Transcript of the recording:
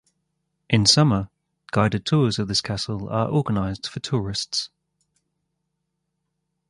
In summer, guided tours of this castle are organized for tourists.